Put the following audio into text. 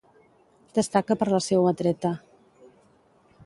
Destaca per la seua treta.